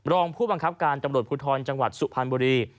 รองผู้บังคับการตำรวจภูทรจังหวัดสุพรรณบุรี